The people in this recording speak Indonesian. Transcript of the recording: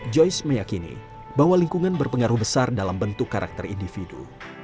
joyce meyakini bahwa lingkungan berpengaruh besar dalam bentuk karakter individu